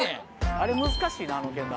あれ難しいなあのけん玉。